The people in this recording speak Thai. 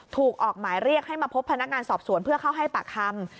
ออกหมายเรียกให้มาพบพนักงานสอบสวนเพื่อเข้าให้ปากคำ